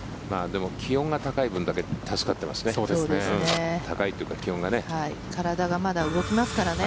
でも、気温が高い分だけ助かっていますね。